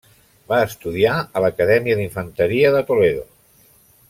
Va estudiar a l'Acadèmia d'Infanteria de Toledo.